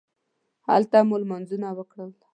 هلته مو لمونځونه وکړل.